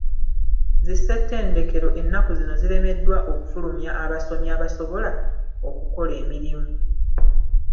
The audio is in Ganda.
Zi ssetendekero ennaku zino ziremeredwa okufulumya abasomi abasobola okukola emirmu.